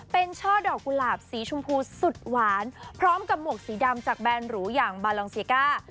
เป็นช่อดอกกุหลาบสีชมพูสุดหวานพร้อมกับหมวกสีดำจากแนนหรูอย่างบาลองเสียก้า